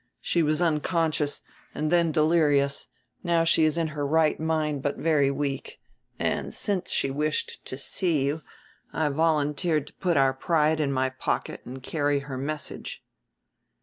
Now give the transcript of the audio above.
She was unconscious, and then delirious; now she is in her right mind but very weak; and, since she wished to see you, I volunteered to put our pride in my pocket and carry her message."